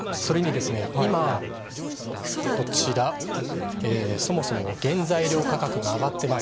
それに今、こちら、そもそも原材料価格が上がってます。